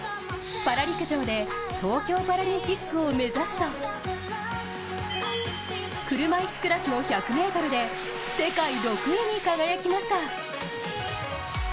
パラ陸上で東京パラリンピックを目指すと車いすクラスの１００ｍで世界６位に輝きました。